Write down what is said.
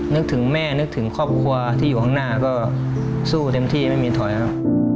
นึกถึงแม่นึกถึงครอบครัวที่อยู่ข้างหน้าก็สู้เต็มที่ไม่มีถอยครับ